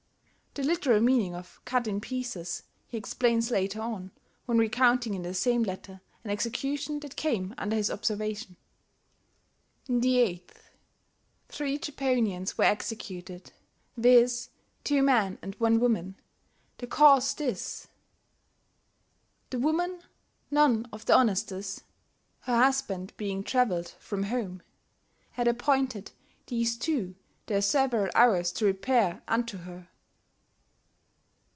... The literal meaning of "cut in peeces" he explains later on, when recounting in the same letter an execution that came under his observation: "The eighth, three Iaponians were executed, viz., two men and one woman: the cause this, the woman, none of the honestest (her husband being trauelled from home) had appointed these two their several hours to repair vnto her.